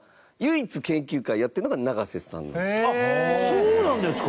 そうなんですか！